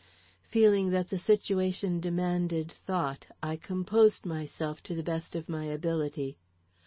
Feeling that the situation demanded thought, I composed myself to the best of my ability.